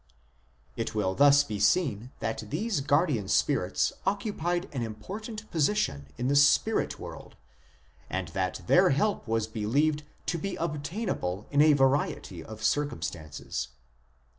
It will thus be seen that these guardian spirits occupied an important position in the spirit world, and that their help was believed to be obtainable in a variety of circumstances.